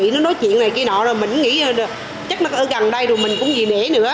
nó nói chuyện này kia nọ rồi mình nghĩ chắc nó ở gần đây rồi mình cũng gì nể nữa